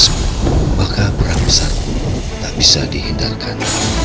semoga perang besar tak bisa dihindarkan